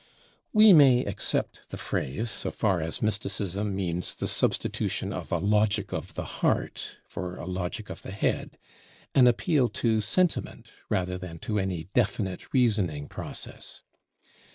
We may accept the phrase, so far as mysticism means the substitution of a "logic of the heart" for a "logic of the head" an appeal to sentiment rather than to any definite reasoning process.